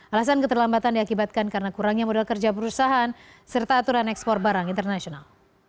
alasan keterlambatan diakibatkan karena kurangnya modal kerja perusahaan serta aturan ekspor barang internasional